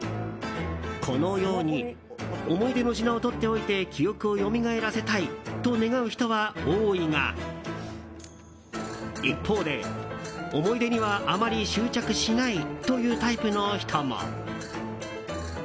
このように思い出の品をとっておいて記憶をよみがえらせたいと願う人は多いが一方で、思い出にはあまり執着しないというタイプの人も。